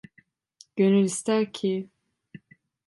Gönül ister ki…